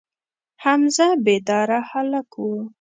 حمزه بیداره هلک و.